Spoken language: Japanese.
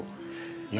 いや